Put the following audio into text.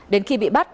đến khi bị bắt